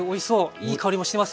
いい香りもしてます